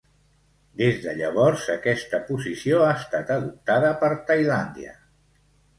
Des de llavors, aquesta posició ha estat adoptada per Tailàndia.